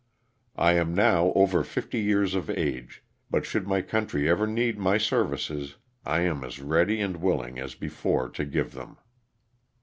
I am now over fifty years of age, but should my country ever need my services I am as ready and willing as before to give them.